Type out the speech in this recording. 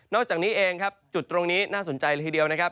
อกจากนี้เองครับจุดตรงนี้น่าสนใจละทีเดียวนะครับ